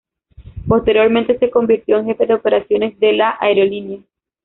Posteriormente se convirtió en jefe de operaciones de la aerolínea.